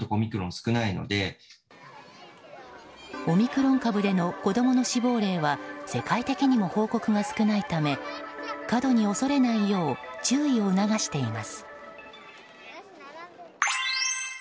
オミクロン株での子供の死亡例は世界的にも報告が少ないため過度に恐れないよう注意を促しています。